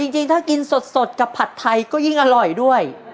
จริงถ้ากินสดกับผัดไทยก็ยิ่งอร่อยด้วย